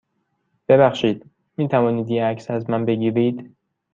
ببخشید، می توانید یه عکس از من بگیرید؟